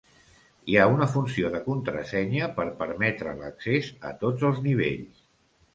Hi ha una funció de contrasenya per permetre l'accés a tots els nivells.